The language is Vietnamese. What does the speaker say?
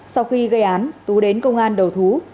sau khi gây án tú đến công an đầu thú